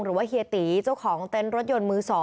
หรือว่าเฮียตี้ช่วยเค้าทหารการการตอนที่เต็มรถยนต์มือ๒